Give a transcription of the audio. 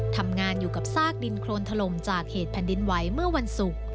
ทำงานอยู่กับซากดินโครนถล่มจากเหตุแผ่นดินไหวเมื่อวันศุกร์